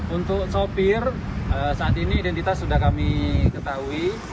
untuk sopir saat ini identitas sudah kami ketahui